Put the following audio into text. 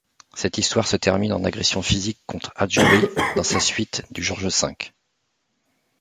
Cette histoire se termine en agression physique contre Ajroudi dans sa suite du George-V.